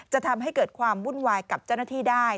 จะทำให้เกิดความวุ่นวายกับเจ้าหน้าที่ได้